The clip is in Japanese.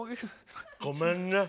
ごめんね。